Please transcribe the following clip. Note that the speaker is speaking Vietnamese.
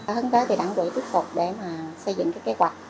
hướng tới đảng quỹ thúc phục để xây dựng các kế hoạch